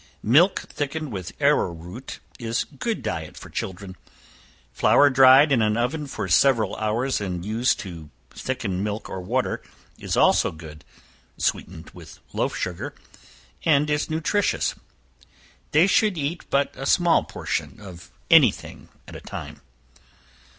Milk thickened with arrow root is good diet for children. Flour dried in an oven for several hours, and used to thicken milk or water, is also good, sweetened with loaf sugar, and is nutritious. They should eat but a small portion of any thing at a time.